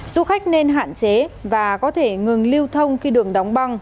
du khách nên hạn chế và có thể ngừng lưu thông khi đường đóng băng